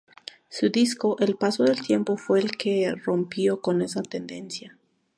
Su disco "El paso del tiempo" fue el que rompió con esa tendencia.